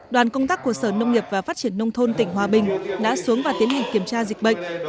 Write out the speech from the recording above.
đoàn công tác của sở nông nghiệp và phát triển nông thôn tỉnh hòa bình đã xuống và tiến hành kiểm tra dịch bệnh